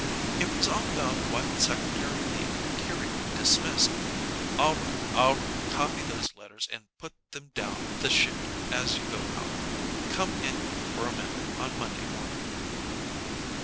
"It was all about why the secretary of the interior dismissed " "All right, all right. Copy those letters, and put them down the chute as you go out. Come in here for a minute on Monday morning."